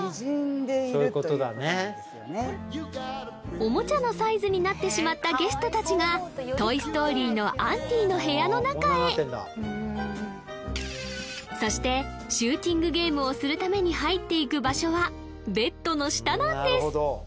おもちゃのサイズになってしまったゲスト達が「トイ・ストーリー」のアンディの部屋の中へそしてシューティングゲームをするために入っていく場所はベッドの下なんです